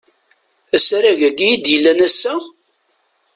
Asarag-agi i d-yellan ass-a?